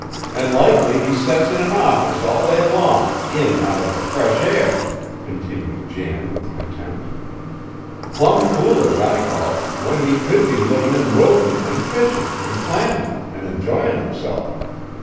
An' likely he sets in an office all day long, in out of the fresh air," continued Jan with contempt. "Plumb foolish I call it, when he could be livin' in Wilton an' fishin', an' clammin', an' enjoying himself.